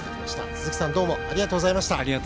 鈴木さんどうもありがとうございました。